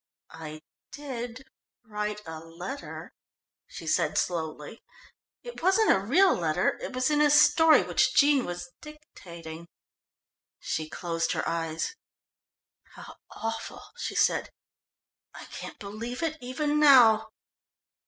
"I did write a letter," she said slowly. "It wasn't a real letter, it was in a story which Jean was dictating." She closed her eyes. "How awful," she said. "I can't believe it even now."